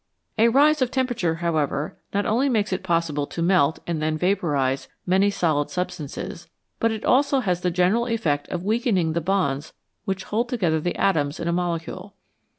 A rise of temperature, however, not only makes it possible to melt and then vaporise many solid substances, but it has also the general effect of weakening the bonds which hold together the atoms in a molecule.